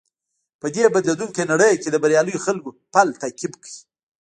په دې بدليدونکې نړۍ کې د برياليو خلکو پل تعقيب کړئ.